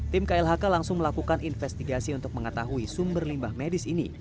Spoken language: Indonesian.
tim klhk langsung melakukan investigasi untuk mengetahui sumber limbah medis ini